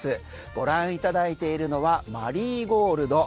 ご覧いただいているのはマリーゴールド。